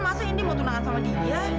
masa ini mau tunangan sama dia